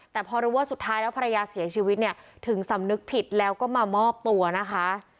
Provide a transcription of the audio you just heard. แต่พอรู้ว่าสุดท้ายแล้วภรรยาเสียชีวิตเนี่ยถึงสำนึกผิดแล้วก็มามอบตัวนะคะ